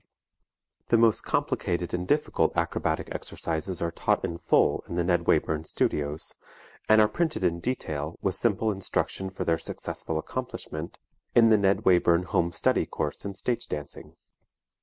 The most complicated and difficult acrobatic exercises are taught in full in the Ned Wayburn Studios, and are printed in detail, with simple instruction for their successful accomplishment, in the Ned Wayburn Home Study Course in Stage Dancing.